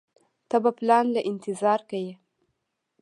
ته به پلان له انتظار کيې.